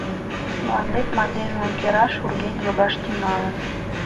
Мландет мардежлан кӧра шурген йогаш тӱҥалын.